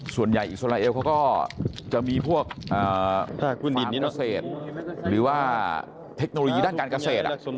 ส่วนใหญ่อิสลาเอลเขาก็จะมีพวกฟาร์มเกษตรหรือว่าเทคโนโลยีด้านการเกษตร